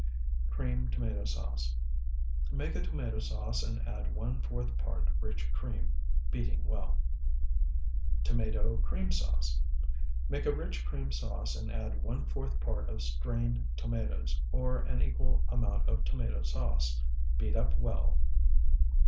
CREAM TOMATO SAUCE Make a tomato sauce and add one fourth part rich cream, beating well. TOMATO CREAM SAUCE Make a rich cream sauce and add one fourth part of strained tomatoes, or an equal amount of tomato sauce. Beat up well.